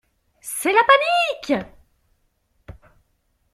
C'est la panique!